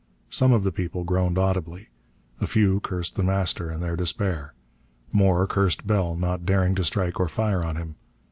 Some of the people groaned audibly. A few cursed The Master in their despair. More cursed Bell, not daring to strike or fire on him.